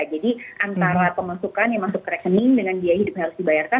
jadi antara pemasukan yang masuk ke rekening dengan biaya hidup yang harus dibayarkan